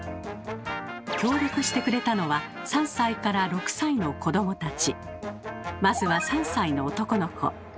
協力してくれたのはまずは３歳の男の子。